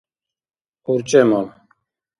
урчӀемал